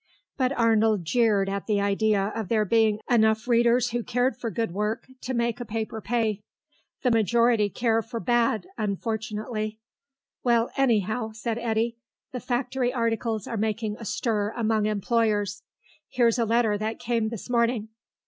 But Arnold jeered at the idea of there being enough readers who cared for good work to make a paper pay. "The majority care for bad, unfortunately." "Well, anyhow," said Eddy, "the factory articles are making a stir among employers. Here's a letter that came this morning."